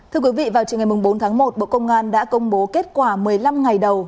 thưa quý vị vào chiều ngày bốn tháng một bộ công an đã công bố kết quả một mươi năm ngày đầu